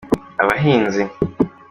abahinzi.